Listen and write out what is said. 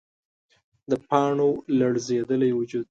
د پاڼو لړزیدلی وجود